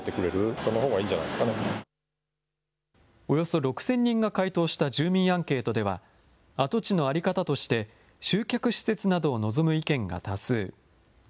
およそ６０００人が回答した住民アンケートでは跡地の在り方として集客施設などを望む意見が多数。